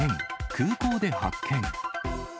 空港で発見。